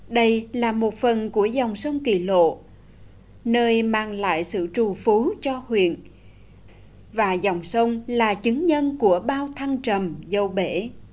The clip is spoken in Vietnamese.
đây là một phần của dòng sông kỳ lộ nơi mang lại sự trù phú cho huyện và dòng sông là chứng nhân của bao thăng trầm dâu bể